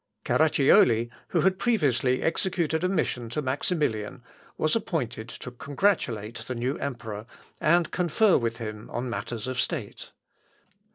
Carracioli, who had previously executed a mission to Maximilian, was appointed to congratulate the new emperor, and confer with him on matters of state.